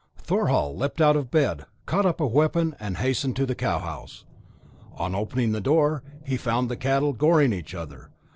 Thorhall leaped out of bed, caught up a weapon, and hastened to the cow house. On opening the door, he found the cattle goring each other.